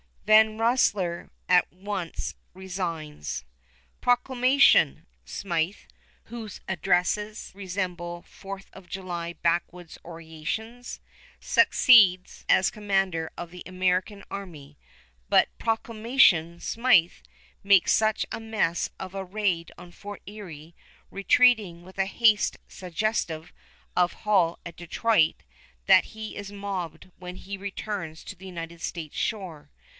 Van Rensselaer at once resigns. "Proclamation" Smyth, whose addresses resemble Fourth of July backwoods orations, succeeds as commander of the American army; but "Proclamation" Smyth makes such a mess of a raid on Fort Erie, retreating with a haste suggestive of Hull at Detroit, that he is mobbed when he returns to the United States shore.